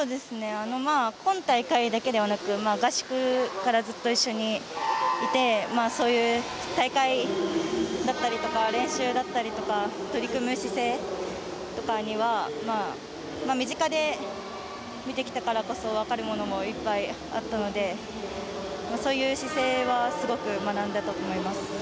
今大会だけではなく合宿から、ずっと一緒にいてそういう大会だったりとか練習だったりとか取り組む姿勢とかには身近で見てきたからこそ分かるものもいっぱいあったのでそういう姿勢はすごく学んだと思います。